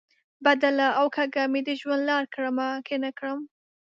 بدله او کږه مې د ژوند لار کړمه، که نه کړم؟